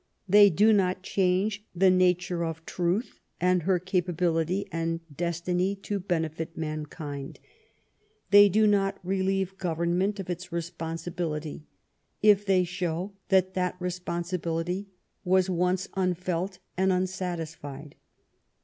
They do not change the nature of truth, and her capability and destiny to benefit mankind. They do not relieve government of its responsibility, if they show that that responsibility was once unfelt and unsatisfied.